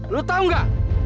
lu tahu gak